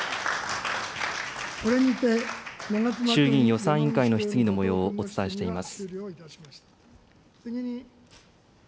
衆議院予算委員会の質疑のもようをお伝えしています。